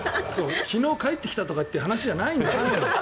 昨日帰ってきたとかっていう話じゃないんだよ。